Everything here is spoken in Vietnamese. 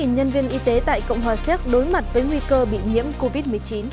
tám nhân viên y tế tại cộng hòa xếp đối mặt với nguy cơ bị nhiễm covid một mươi chín